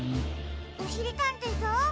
おしりたんていさん？